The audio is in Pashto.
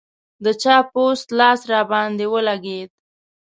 د چا پوست لاس راباندې ولګېد.